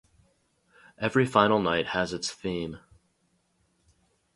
Every final night has its theme.